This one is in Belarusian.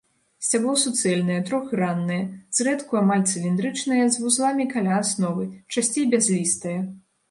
Сцябло суцэльнае, трохграннае, зрэдку амаль цыліндрычнае з вузламі каля асновы, часцей бязлістае.